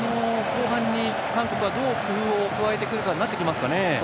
後半に韓国は、どう工夫を加えてくるかになってきますかね。